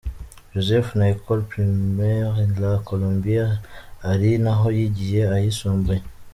Joseph na Ecole Primaire La Colombiere ari naho yigiye ayisumbuye.